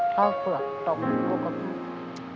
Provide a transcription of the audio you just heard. เข้าเสือกตกโรคกรุง